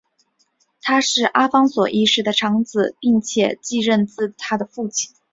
他是阿方索一世的长子并且继任自他的父亲。